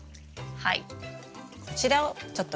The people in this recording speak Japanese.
はい。